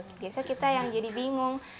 biasanya kita yang jadi bingung